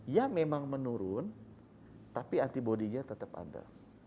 ya memang menurun tapi antibody nya tetap ada